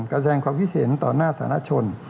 แสดงความคิดเห็นต่อหน้าสาธารณชน